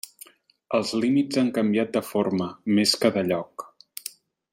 Els límits han canviat de forma més que de lloc.